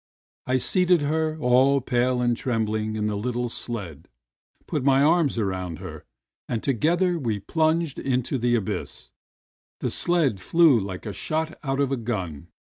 I seated her, all pale and trembling, in the httle sled, put my arm around her, and together we plunged into the abyss. The sled flew Uke a shot out of a gun.